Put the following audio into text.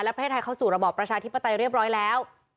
ประเทศไทยเข้าสู่ระบอบประชาธิปไตยเรียบร้อยแล้ว